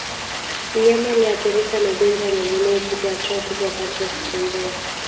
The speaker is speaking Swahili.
Mnyama aliyeathirika na ugonjwa wa mamjimoyo hupiga hatua kubwa wakati wa kutembea